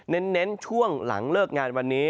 เน้นช่วงหลังเลิกงานวันนี้